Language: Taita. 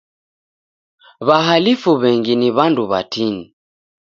W'ahalifu w'engi ni w'andu w'atini.